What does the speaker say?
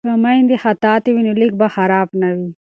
که میندې خطاطې وي نو لیک به خراب نه وي.